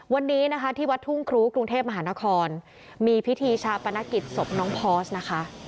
วันนี้นะคะที่วัดทุ่งครูกรุงเทพมหานครมีพิธีชาปนกิจศพน้องพอสนะคะ